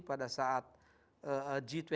pada saat g dua puluh summit nya